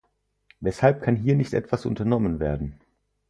Weshalb kann hier nicht etwas unternommen werden?